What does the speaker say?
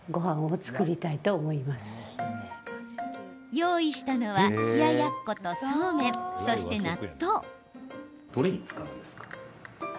用意したのは、冷ややっことそうめん、そして納豆。